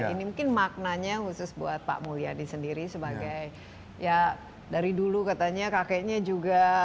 ini mungkin maknanya khusus buat pak mulyadi sendiri sebagai ya dari dulu katanya kakeknya juga